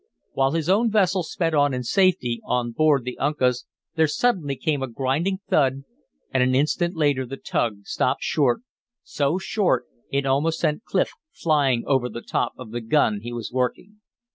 While his own vessel sped on in safety, on board the Uncas there suddenly came a grinding thud, and an instant later the tug stopped short, so short it almost sent Clif flying over the top of the gun he was working.